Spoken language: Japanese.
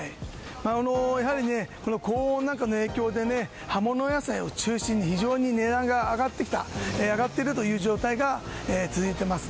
高温なんかの影響で葉物野菜を中心に非常に値が上がっているという状態が続いています。